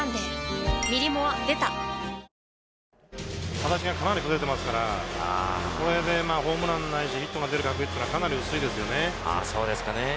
形がかなり崩れてますから、これでホームランないしヒットの出る確率っていうのもかなり薄いそうですかね。